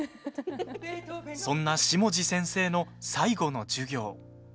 そんな下地先生の最後の授業。